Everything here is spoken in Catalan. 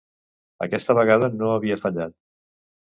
Aquesta vegada no havia fallat.